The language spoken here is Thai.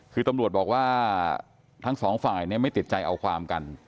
คือตำรวจบอกว่าทั้งสองฝ่ายไม่ติดใจเอาความกัน